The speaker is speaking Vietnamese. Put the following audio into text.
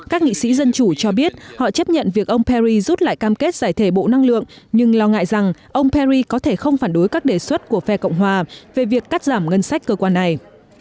các nghị sĩ dân chủ cho biết họ chấp nhận việc ông paris rút lại cam kết giải thể bộ năng lượng nhưng lo ngại rằng ông paris có thể không phản đối các đề xuất của phe cộng hòa về việc cắt giảm ngân sách cơ quan này